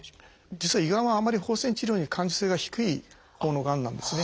実は胃がんはあんまり放射線治療には感受性が低いほうのがんなんですね。